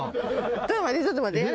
ちょっと待ってちょっと待ってやらせて。